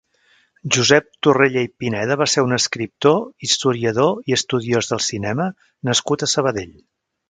Josep Torrella i Pineda va ser un escriptor, historiador i estudiós del cinema nascut a Sabadell.